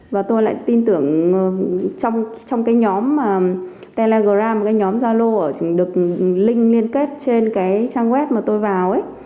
và tôi lại tin tưởng trong cái nhóm telegram cái nhóm zalo được link liên kết trên cái trang web mà tôi vào ấy